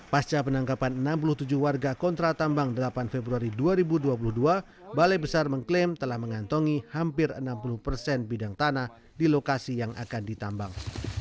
pasca penangkapan enam puluh tujuh warga kontra tambang delapan februari dua ribu dua puluh dua balai besar mengklaim telah mengantongi hampir enam puluh persen bidang tanah di lokasi yang akan ditambang